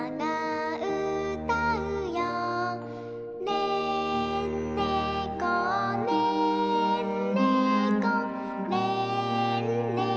「ねんねこねんねこねんねこよ」